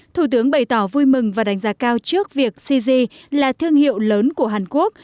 thủ tướng bày tỏ vui mừng và đánh giá cao trước việc cg là thương hiệu lớn của hàn quốc